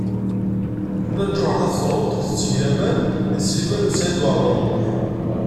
Nna Lǧuheṛ Tabetṛunt tetteg laman deg Sliman U Saɛid Waɛmaṛ U Muḥ.